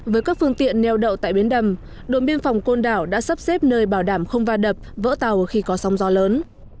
với các phương tiện neo đậu tại bến đầm đồn biên phòng côn đảo đã sắp xếp nơi bảo đảm không va đập vỡ tàu khi có sóng gió lớn